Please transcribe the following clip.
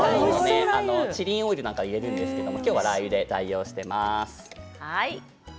チリオイルなどを入れるんですけれども今日はラーユで代用しています。